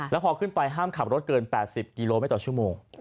แล้วพอขึ้นไปห้ามขับรถเกิน๘๐กิโลเมตรต่อชั่วโมง